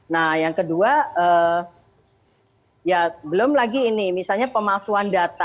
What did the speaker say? nah yang kedua ya belum lagi ini misalnya pemalsuan data